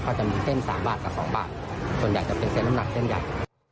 จะมีเส้น๓บาทกับ๒บาทส่วนใหญ่จะเป็นเส้นน้ำหนักเส้นใหญ่